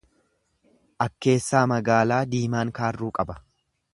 Akkeessaa magaala diimaan kaarruu qaba.